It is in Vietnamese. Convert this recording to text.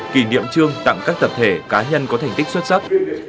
kỷ niệm trương tặng các tập thể cá nhân có thành tích xuất sắc